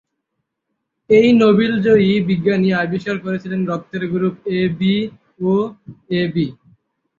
এই নোবেলজয়ী বিজ্ঞানী আবিষ্কার করেছিলেন রক্তের group ‘A, B, O, AB’.